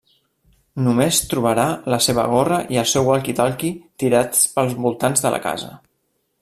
Només trobarà la seva gorra i el seu walkie-talkie tirats pels voltants de la casa.